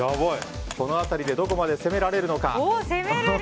この辺りどこまで攻められるか。